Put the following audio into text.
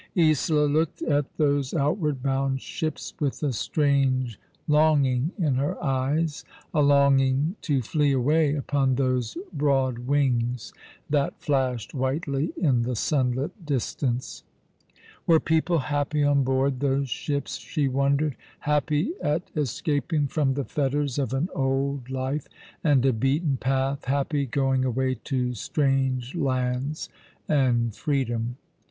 Isola looked at those 3fy Frolic Falcon, ivith Bright Eyes, 1 1 1 outward bound ships with a strange longing in her eyes— a longing to flee away upon those broad wings that flashed whitely in the sunlit distance. Were people happy on board those ships, she wondered, happy at escaping from the fetters of an old life and a beaten path, happy going away to strange lands and freedom